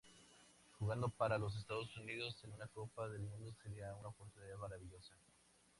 Jugando para los Estados Unidos en una Copa del Mundo sería una oportunidad maravillosa".